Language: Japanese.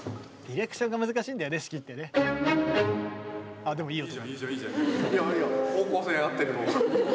あっでもいい音。